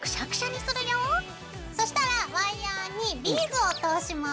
そしたらワイヤーにビーズを通します。